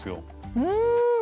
うん！